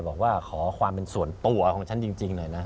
บอกว่าขอความเป็นส่วนตัวของฉันจริงหน่อยนะ